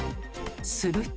すると。